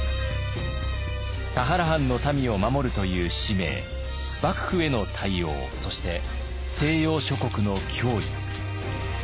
田原藩の民を守るという使命幕府への対応そして西洋諸国の脅威。